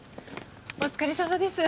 お疲れさまです。